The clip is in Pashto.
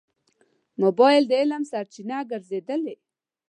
موبایل د علم سرچینه ګرځېدلې.